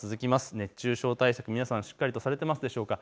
熱中症対策、皆さんしっかりとされていますでしょうか。